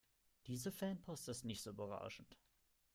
Diese Fanpost ist nicht so berauschend.